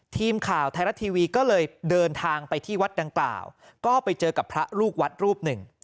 ทีมข่าวไทยรัฐทีวีก็เลยเดินทางไปที่วัดดังกล่าวก็ไปเจอกับพระลูกวัดรูปหนึ่ง